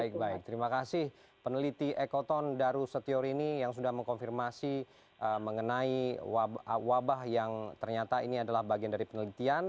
baik baik terima kasih peneliti ekoton darus setiorini yang sudah mengkonfirmasi mengenai wabah yang ternyata ini adalah bagian dari penelitian